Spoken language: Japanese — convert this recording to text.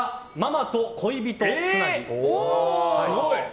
すごい！